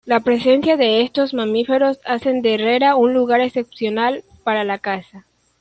La presencia de estos mamíferos hacen de Herrera un lugar excepcional para la caza.